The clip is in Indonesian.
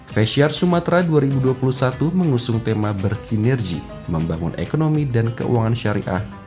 festiar sumatera dua ribu dua puluh satu mengusung tema bersinergi membangun ekonomi dan keuangan syariah